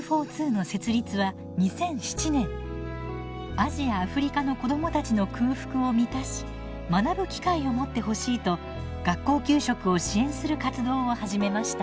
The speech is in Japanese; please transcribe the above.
アジア・アフリカの子どもたちの空腹を満たし学ぶ機会を持ってほしいと学校給食を支援する活動を始めました。